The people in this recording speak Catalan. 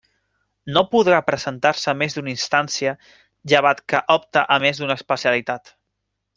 No podrà presentar-se més d'una instància, llevat que opte a més d'una especialitat.